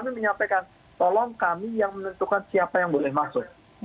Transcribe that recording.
kami menyampaikan tolong kami yang menentukan siapa yang boleh masuk